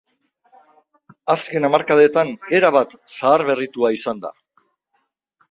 Azken hamarkadetan erabat zaharberritua izan da.